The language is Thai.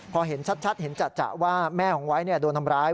พอเห็นชัดเห็นจัดว่าแม่ของไว้โดนทำร้าย